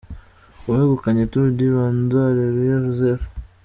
Uwegukanye Tour du Rwanda: Areruya Joseph.